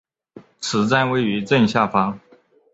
此站位于正下方。